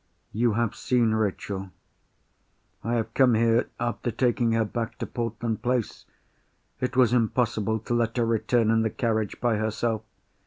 "You have seen Rachel?" "I have come here after taking her back to Portland Place; it was impossible to let her return in the carriage by herself.